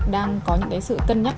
đang có những cái sự cân nhắc